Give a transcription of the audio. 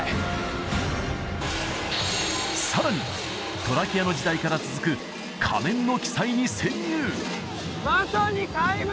さらにトラキアの時代から続く仮面の奇祭に潜入！